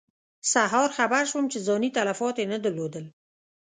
سهار خبر شوم چې ځاني تلفات یې نه درلودل.